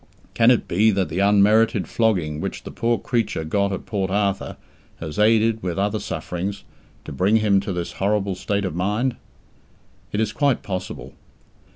Can it be that the unmerited flogging which the poor creature got at Port Arthur has aided, with other sufferings, to bring him to this horrible state of mind? It is quite possible.